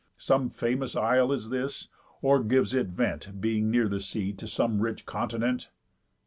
Some famous isle is this? Or gives it vent, Being near the sea, to some rich continent?"